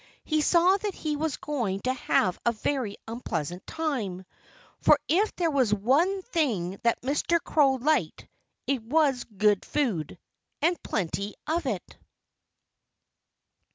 He saw that he was going to have a very unpleasant time. For if there was one thing that Mr. Crow liked, it was good food and plenty of it.